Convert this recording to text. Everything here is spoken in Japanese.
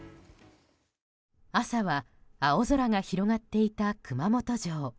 朝は、青空が広がっていた熊本城。